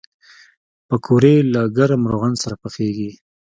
پکورې له ګرم روغن سره پخېږي